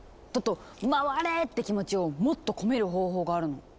トット「回れ！」って気持ちをもっと込める方法があるの。